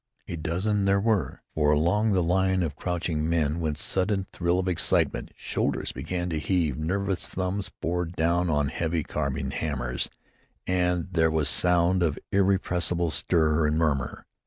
A dozen there were, for along the line of crouching men went sudden thrill of excitement. Shoulders began to heave; nervous thumbs bore down on heavy carbine hammers, and there was sound of irrepressible stir and murmur.